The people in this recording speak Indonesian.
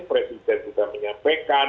presiden sudah menyampaikan